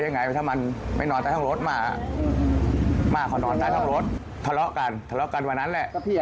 ใครมียิงปืนนะหรือโอเคอืมองค์วันนั้นได้